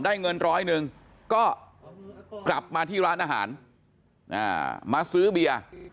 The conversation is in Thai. ได้เงินร้อยหนึ่งก็กลับมาที่ร้านอาหารมาซื้อเบียร์